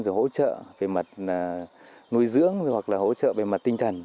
rồi hỗ trợ về mặt nuôi dưỡng hoặc là hỗ trợ về mặt tinh thần